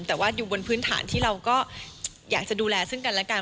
แต่ว่าอยู่บนพื้นฐานที่เราก็อยากจะดูแลซึ่งกันแล้วกัน